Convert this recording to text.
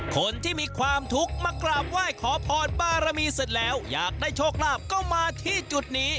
คนที่มีความทุกข์มากราบไหว้ขอพรบารมีเสร็จแล้วอยากได้โชคลาภก็มาที่จุดนี้